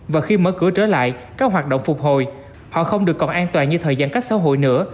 và khi mở cửa trở lại các hoạt động phục hồi họ không được còn an toàn như thời giãn cách xã hội nữa